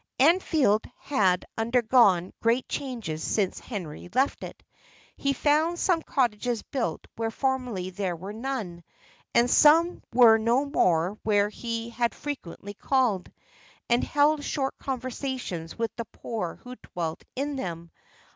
Anfield had undergone great changes since Henry left it. He found some cottages built where formerly there were none; and some were no more where he had frequently called, and held short conversations with the poor who dwelt in them.